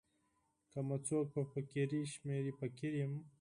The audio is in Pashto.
که می څوک په فقیری شمېري فقیر سم.